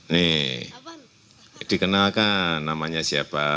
nih dikenalkan namanya siapa